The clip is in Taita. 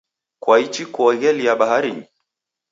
Kwaichi kuoghelia baharinyi?